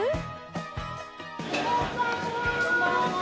こんばんは。